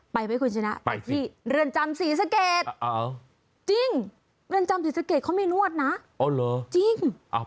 ไหมคุณชนะไปที่เรือนจำศรีสะเกดจริงเรือนจำศรีสะเกดเขามีนวดนะจริง